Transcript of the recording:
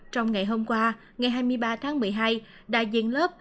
trong ngày hôm qua ngày hai mươi ba tháng một mươi hai đại diện lớp